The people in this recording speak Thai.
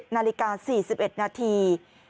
นาฬิกา๔๑นาที